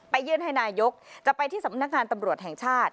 ยื่นให้นายกจะไปที่สำนักงานตำรวจแห่งชาติ